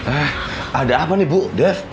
eh ada apa nih bu